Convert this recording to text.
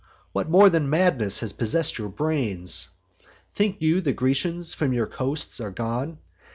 What more than madness has possess'd your brains? Think you the Grecians from your coasts are gone?